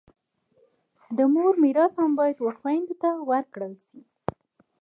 د مور میراث هم باید و خویندو ته ورکړل سي.